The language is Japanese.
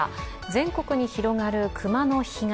全国に広がる熊の被害。